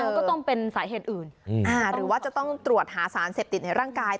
ก็ต้องเป็นสาเหตุอื่นหรือว่าจะต้องตรวจหาสารเสพติดในร่างกาย